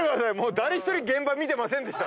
誰一人現場見てませんでした。